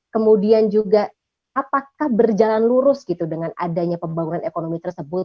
kemudian juga apakah berjalan lurus gitu dengan adanya pembangunan ekonomi tersebut